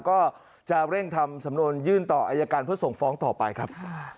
ก็จะเร่งทำสำนวนยื่นต่ออายการเพื่อส่งฟ้องต่อไปครับ